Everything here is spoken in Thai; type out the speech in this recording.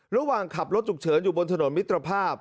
ระหว่างขับรถฉุกเฉินอยู่บนถนนมิตรภาพ